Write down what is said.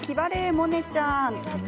萌音ちゃん。